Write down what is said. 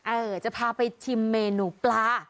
เออจะพาไปชิมเมนูปลา